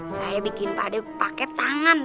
saya bikin pade pakai tangan